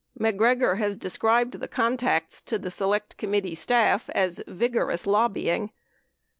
MacGregor has described the contacts to the Select Committee staff as "vigorous lobbying."